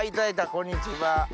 こんにちは。